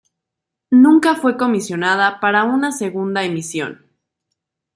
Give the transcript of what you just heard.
Nunca fue comisionada para una segunda emisión.